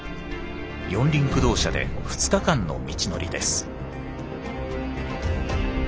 ４輪駆動車で２日間の道のりです。